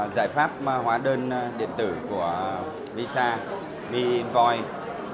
giải pháp hóa đơn điện tử của visa bi invoice